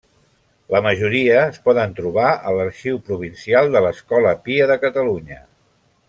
La majoria es poden trobar a l'Arxiu Provincial de l'Escola Pia de Catalunya.